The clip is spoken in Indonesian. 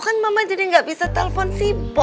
kan mama jadi gak bisa telepon si boy